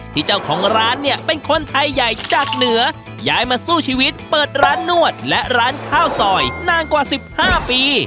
ที่เจ้าของร้านเนี่ยเป็นคนไทยใหญ่จากเหนือย้ายมาสู้ชีวิตเปิดร้านนวดและร้านข้าวซอยนานกว่า๑๕ปี